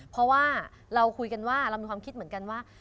เพราะว่าเราคุยกันว่าเรามีความคิดเหมือนกันว่า